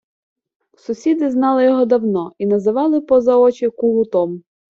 Сусіди знали його давно і називали поза очі кугутом